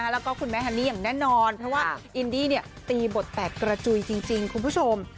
แล้วก็คุณแม่ฮันนี่อย่างแน่นอนเพราะว่าอินดี้ตีบทแตกกระจุยจริงคุณผู้ชม